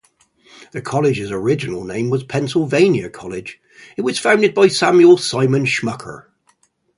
The college's original name was Pennsylvania College; it was founded by Samuel Simon Schmucker.